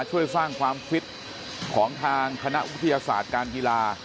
ช่วยสร้างความฟิตของทางคณะวิทยาศาสตร์การกีฬา